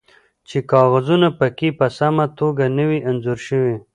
چې کاغذونه پکې په سمه توګه نه وي انځور شوي